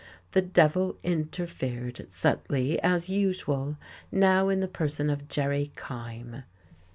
The devil interfered subtly, as usual now in the person of Jerry Kyme.